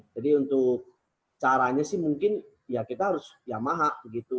jadi untuk caranya sih mungkin ya kita harus yamaha gitu